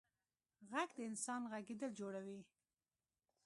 غږ د انسان غږېدل جوړوي.